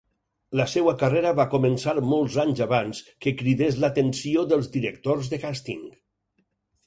La seua carrera va començar molts anys abans que cridés l'atenció dels directors de càsting.